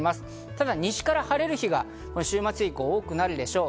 ただ西から晴れる日が週末以降、多くなるでしょう。